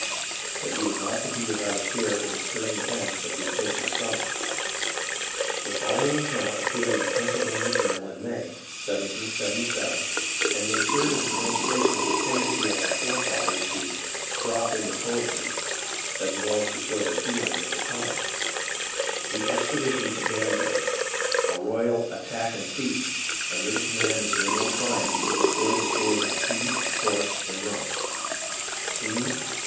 But he was not to be without a share in the stirring events of the approaching summer. The following account appeared in the Pennsylvania Journal in May, i y'jj, and may serve as an illustration of the tendency of our forefathers " to drop into poetry " as well as to show their feelings at the time :— 1 68 HISTORY OF THE AMERICAN REVOLUTION THE EXPEDITION TO DANBURY A royal '■'■attack and feat'"' under the co/jimand of General Try on to destroy the stores of beef pork, and ruin Scene.